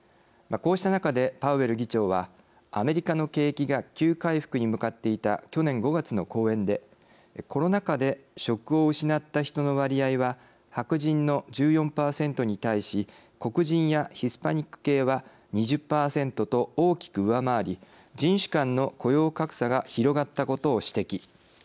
こうした中で、パウエル議長はアメリカの景気が急回復に向かっていた去年５月の講演でコロナ禍で職を失った人の割合は白人の１４％に対し黒人やヒスパニック系は２０％と大きく上回り人種間の雇用格差が広がったことを指摘。